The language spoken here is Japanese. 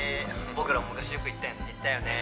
僕らも昔よく行ったよね